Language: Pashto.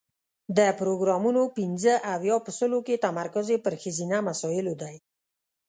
د پروګرامونو پنځه اویا په سلو کې تمرکز یې پر ښځینه مسایلو دی.